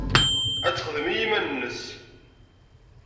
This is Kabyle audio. Ad texdem i yiman-nnes.